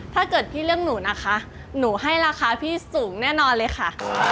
ถ้าเกิดพี่เลือกหนูนะคะหนูให้ราคาพี่สูงแน่นอนเลยค่ะ